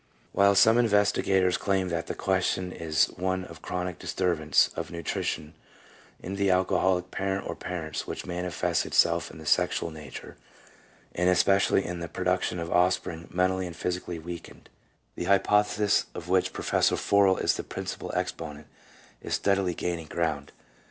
While some investigators claim that the question is one of chronic disturbance of nutrition in the alcoholic parent or parents which manifests itself in the sexual nature, and especially in the production of offspring mentally and physically weakened, 2 the hypothesis of which Professor Forel is the principal exponent, is steadily gaining ground.